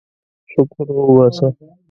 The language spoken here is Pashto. شکر وباسه.